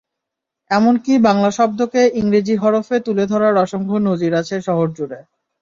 এমনকি বাংলা শব্দকে ইংরেজি হরফে তুলে ধরার অসংখ্য নজির আছে শহরজুড়ে।